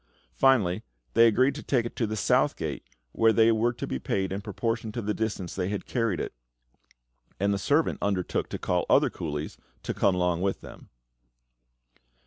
Finally, they agreed to take it to the South Gate, where they were to be paid in proportion to the distance they had carried it; and the servant undertook to call other coolies and come along with them.